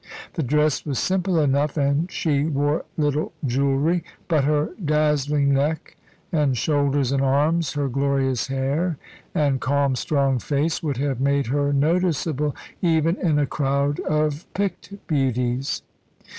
The dress was simple enough, and she wore little jewellery; but her dazzling neck and shoulders and arms, her glorious hair and calm strong face, would have made her noticeable even in a crowd of picked beauties.